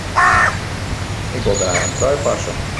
Ik wol graach in trui passe.